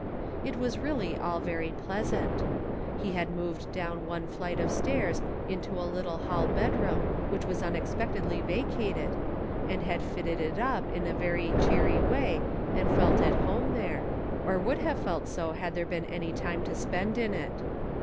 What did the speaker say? It was really all very pleasant. He had moved down one flight of stairs into a little hall bedroom which was unexpectedly vacated, and had fitted it up in a very cheery way and felt at home there, or would have felt so had there been any time to spend in it.